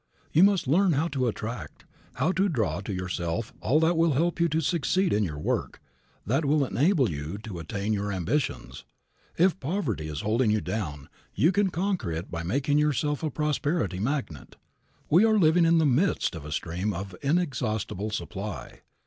You must learn how to attract, how to draw to yourself all that will help you to succeed in your work, that will enable you to attain your ambitions. If poverty is holding you down, you can conquer it by making yourself a prosperity magnet. We are living in the midst of a stream of inexhaustible supply.